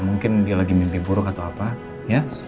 mungkin dia lagi mimpi buruk atau apa ya